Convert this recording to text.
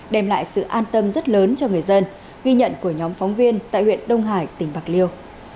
đem lại sự an tâm rất lớn cho người dân ghi nhận của nhóm phóng viên tại huyện đông hải tỉnh bạc liêu